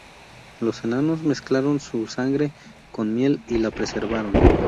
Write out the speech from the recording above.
Los enanos mezclaron su sangre con miel y la preservaron.